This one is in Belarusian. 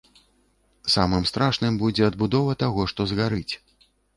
Самым страшным будзе адбудова таго, што згарыць.